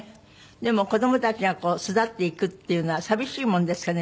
でも子供たちが巣立っていくっていうのは寂しいものですかね？